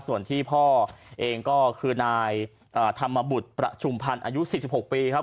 ส่วนที่พ่อเองก็คือนายธรรมบุตรประชุมพันธ์อายุ๔๖ปีครับ